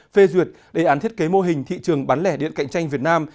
phê duyệt đề án thiết kế mô hình thị trường bán lẻ điện cạnh tranh việt nam